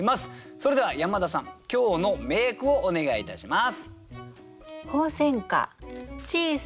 それでは山田さん今日の名句をお願いいたします。